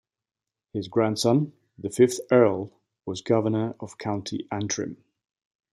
His grandson, the fifth Earl, was Governor of County Antrim.